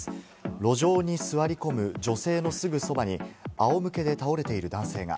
路上に座り込む女性のすぐそばに仰向けで倒れている男性が。